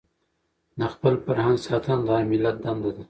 د خپل فرهنګ ساتنه د هر ملت دنده ده.